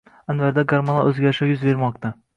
Anvarda gormonal o‘zgarishlar yuz bermoqda.